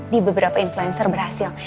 di beberapa influencer berhasil